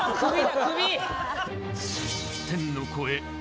クビ！